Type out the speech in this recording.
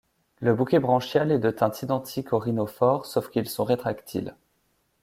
Le bouquet branchial est de teinte identique aux rhinophores sauf qu'ils sont rétractiles.